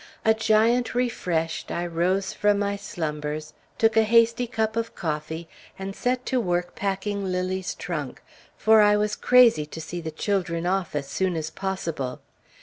A giant refreshed, I rose from my slumbers, took a hasty cup of coffee, and set to work packing Lilly's trunk, for I was crazy to see the children off as soon as possible.